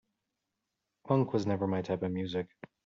Punk was never my type of music.